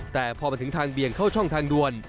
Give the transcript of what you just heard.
แต่พอมาถึงทางเบี่ยงเข้าช่องทางด่วน